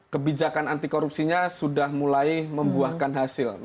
kebijakan anti korupsinya sudah mulai membuahkan hasil